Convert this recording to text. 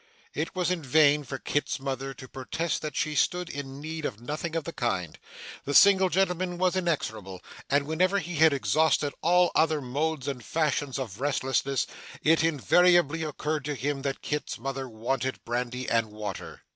It was in vain for Kit's mother to protest that she stood in need of nothing of the kind. The single gentleman was inexorable; and whenever he had exhausted all other modes and fashions of restlessness, it invariably occurred to him that Kit's mother wanted brandy and water.